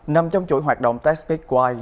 nằm trong chuỗi hoạt động techspeakwire